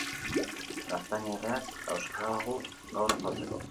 Gaztaina erreak dauzkagu gaur afaltzeko.